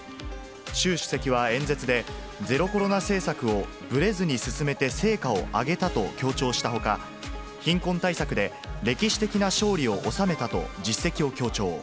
習主席は演説で、ゼロコロナ政策を、ぶれずに進めて、成果を上げたと強調したほか、貧困対策で、歴史的な勝利を収めたと、実績を強調。